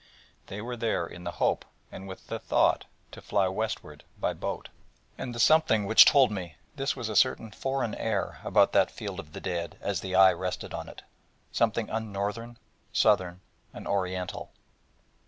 They were there in the hope, and with the thought, to fly westward by boat. And the something which told me this was a certain foreign air about that field of the dead as the eye rested on it, something un northern, southern, and Oriental.